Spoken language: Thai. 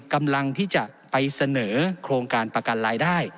กำลังที่จะไปเสนอโครงการประกันรายได้